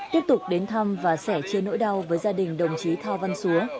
tiếp tục đến thăm và sẻ chia nỗi đau với gia đình đồng chí thao văn xúa